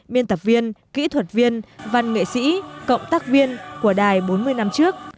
biên tập viên kỹ thuật viên văn nghệ sĩ cộng tác viên của đài bốn mươi năm trước